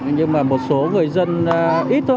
nhưng mà một số người dân ít thôi